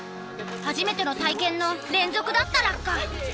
初めての体験の連続だったラッカ。